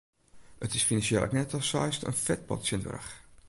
It is finansjeel ek net datst seist in fetpot tsjinwurdich.